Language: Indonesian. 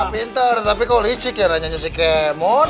pintar tapi kok licik ya nanya si kemot